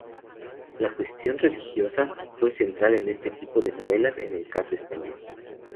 La cuestión religiosa fue central en este tipo de novelas en el caso español.